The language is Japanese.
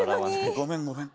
ごめんごめん。